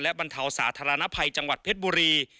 บรรเทาสาธารณภัยจังหวัดเพชรบุรี